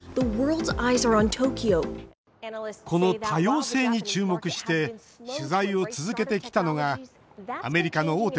この「多様性」に注目して取材を続けてきたのがアメリカの大手